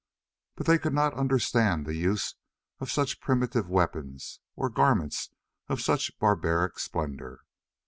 But they could not understand the use of such primitive weapons or garments of such barbaric splendor.